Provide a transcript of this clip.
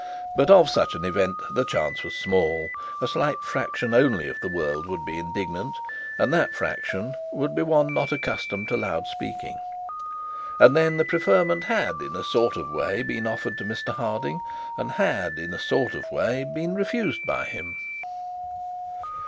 But of such an event the chance was small; a slight fraction only of the world would be indignant, and that fraction would be one not accustomed to loud speaking. And then the preferment had in a sort of way been offered to Mr Harding, and had in a sort of way been refused by him.